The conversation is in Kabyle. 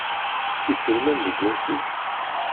Iselman deg wasif.